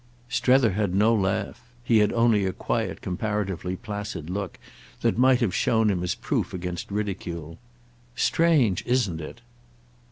Strether had no laugh; he had only a quiet comparatively placid look that might have shown him as proof against ridicule. "Strange, isn't it?"